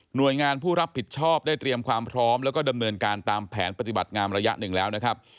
โดยงานผู้รับผิดชอบได้เตรียมความพร้อมแล้วก็ดำเนินการตามแผนปฏิบัติงามระยะหนึ่งแล้วนะครับ